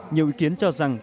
nhiều ý kiến cho rằng